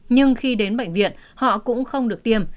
nhưng khi đến bệnh viện họ cũng không được tiêm